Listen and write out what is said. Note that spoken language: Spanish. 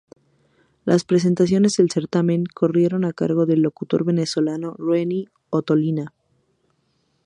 Las presentaciones del certamen corrieron a cargo del locutor venezolano Renny Ottolina.